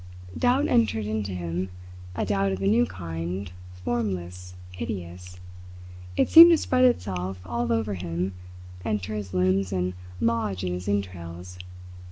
Doubt entered into him a doubt of a new kind, formless, hideous. It seemed to spread itself all over him, enter his limbs, and lodge in his entrails.